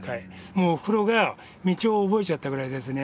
もうおふくろが道を覚えちゃったぐらいですね。